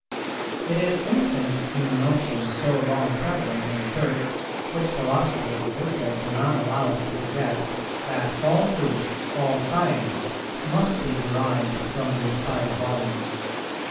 It is instanced in the notion so long prevalent in the Church, which philosophers of this day do not allow us to forget, that all truth, all science, must be derived from the inspired volume.